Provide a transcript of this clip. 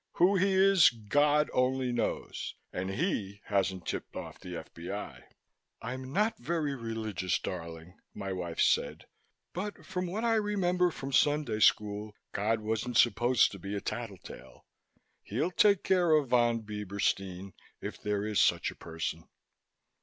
Who he is God only knows and He hasn't tipped off the F.B.I." "I'm not very religious, darling," my wife said, "but from what I remember from Sunday School, God wasn't supposed to be a tattle tale. He'll take care of Von Bieberstein, if there is such a person."